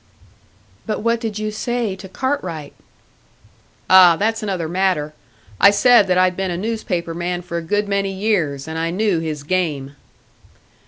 "But what did you say to Cartwright?" "Ah! That's another matter. I said that I'd been a newspaper man for a good many years, and I knew his game."